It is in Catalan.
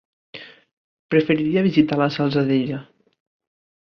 Preferiria visitar la Salzadella.